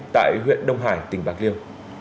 tại huyện đông hải tỉnh bạc liêu